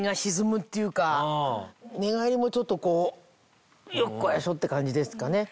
寝返りもちょっとこうよっこらしょって感じですかね。